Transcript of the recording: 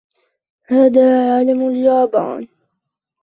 هذا علم اليابان.